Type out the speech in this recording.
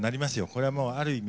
これもうある意味